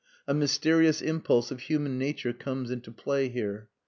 A mysterious impulse of human nature comes into play here.